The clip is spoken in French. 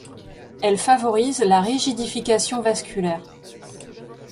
Elle favorise la rigidification vasculaire.